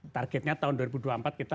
targetnya tahun dua ribu dua puluh empat kita